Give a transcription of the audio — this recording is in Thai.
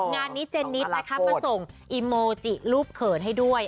งานนี้เจนิดนะคะมาส่งอีโมจิรูปเขินให้ด้วย